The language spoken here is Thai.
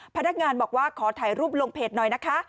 พนักงานบอกว่าขอถ่ายรูปลงเพจหน่อยนะคะ